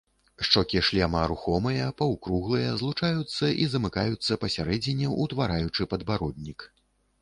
Шчокі шлема рухомыя, паўкруглыя, злучаюцца і замыкаюцца пасярэдзіне, утвараючы падбароднік.